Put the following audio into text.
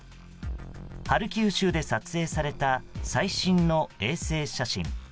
ハルキウ州で撮影された最新の衛星写真。